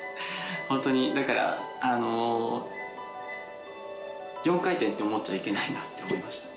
本当に、だから４回転って思っちゃいけないなって思いました。